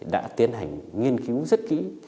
đã tiến hành nghiên cứu rất kỹ